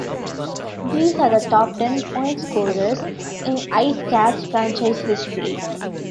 These are the top ten point-scorers in IceCat's franchise history.